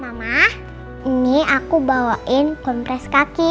mama ini aku bawain kompres kaki